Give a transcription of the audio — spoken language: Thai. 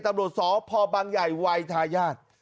ตำรวจสพบังใหญ่วัยทายาท